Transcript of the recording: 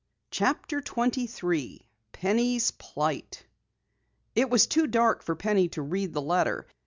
CHAPTER 23 PENNY'S PLIGHT It was too dark for Penny to read the letter.